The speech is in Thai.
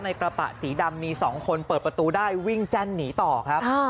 กระบะสีดำมี๒คนเปิดประตูได้วิ่งแจ้นหนีต่อครับ